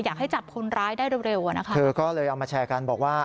อยากให้จับคนร้ายได้เร็วเร็วอ่ะนะคะเธอก็เลยเอามาแชร์กันบอกว่า